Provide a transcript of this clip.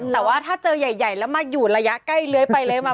แต่ว่าถ้าเจอใหญ่แล้วมาอยู่ระยะใกล้เลื้อยไปเลื้อยมา